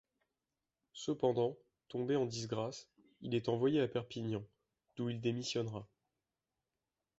Cependant, tombé en disgrâce, il est envoyé à Perpignan, d'où il démissionnera.